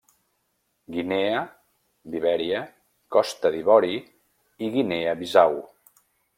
Guinea, Libèria, Costa d'Ivori i Guinea Bissau.